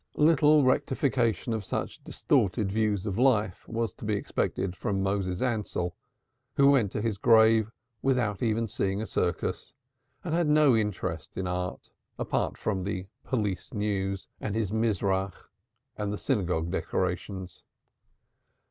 Little rectification of such distorted views of life was to be expected from Moses Ansell, who went down to his grave without seeing even a circus, and had no interest in art apart from the "Police News" and his "Mizrach" and the synagogue decorations.